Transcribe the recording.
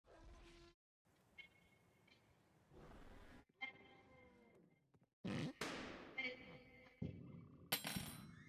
This region in Turkey is also referred to as Eastern Thrace or Turkish Thrace.